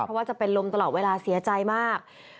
เพราะว่าจะเป็นลมตลอดเวลาเสียใจมาก